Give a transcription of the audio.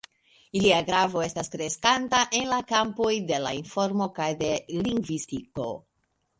Ilia gravo estas kreskanta en la kampoj de la informo kaj de lingvistiko.